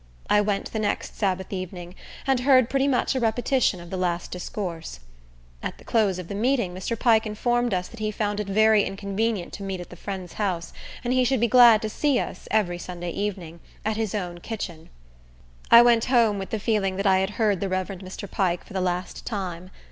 I went the next Sabbath evening, and heard pretty much a repetition of the last discourse. At the close of the meeting, Mr. Pike informed us that he found it very inconvenient to meet at the friend's house, and he should be glad to see us, every Sunday evening, at his own kitchen. I went home with the feeling that I had heard the Reverend Mr. Pike for the last time.